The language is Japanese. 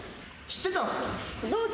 知ってたんすか？